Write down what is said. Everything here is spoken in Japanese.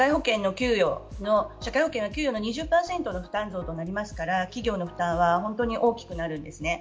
社会保険の給与の２０％の負担増となりますから企業の負担は本当に大きくなるんですね。